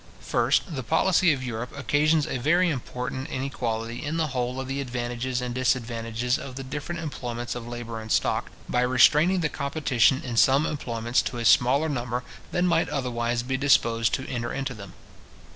First, The policy of Europe occasions a very important inequality in the whole of the advantages and disadvantages of the different employments of labour and stock, by restraining the competition in some employments to a smaller number than might otherwise be disposed to enter into them.